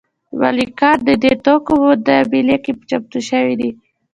مالکان د دې توکو مبادلې لپاره چمتو شوي دي